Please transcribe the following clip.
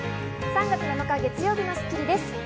３月７日、月曜日の『スッキリ』です。